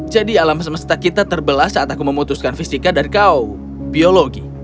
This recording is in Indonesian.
jadi alam semesta kita terbelah saat aku memutuskan fisika dan kau biologi